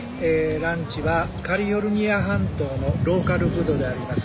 ランチはカリフォルニア半島のローカルフードであります